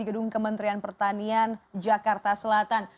gedung kementerian pertanian jakarta selatan